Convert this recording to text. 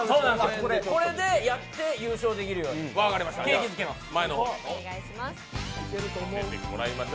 これでやって優勝できるように景気づけます。